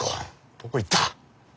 どこ行った？